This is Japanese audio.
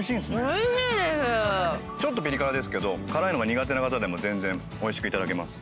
ちょっとピリ辛ですけど辛いのが苦手な方でも全然おいしくいただけます。